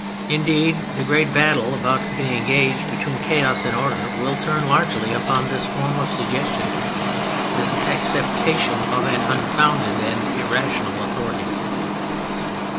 Indeed, the great battle about to be engaged between chaos and order will turn largely upon this form of suggestion, this acceptation of an unfounded and irrational authority.